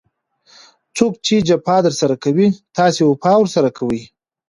څوک چي جفا درسره کوي؛ تاسي وفا ورسره کوئ!